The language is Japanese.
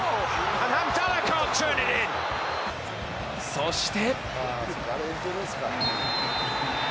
そして。